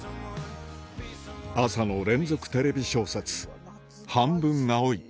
朝の連続テレビ小説、半分、青い。